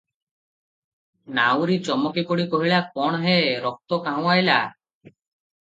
ନାଉରୀ ଚମକିପଡ଼ି କହିଲା, "କଣ ହେ! ରକ୍ତ କାହୁଁ ଅଇଲା?